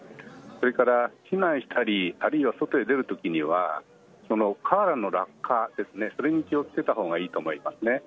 それから避難したりあるいは外へ出るときには瓦の落下、それに気を付けた方がいいと思いますね。